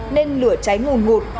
nên lửa cháy ngùn ngụt